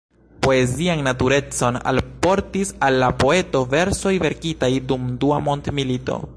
Poezian maturecon alportis al la poeto versoj verkitaj dum Dua mondmilito.